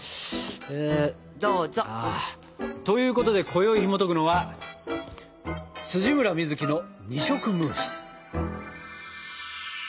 どうぞ。ということでこよいひもとくのは「村深月の二色ムース」。